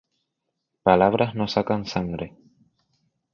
Palabras no sacan sangre.